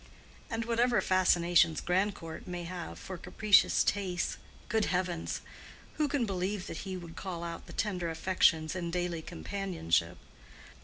And whatever fascinations Grandcourt may have for capricious tastes—good heavens! who can believe that he would call out the tender affections in daily companionship?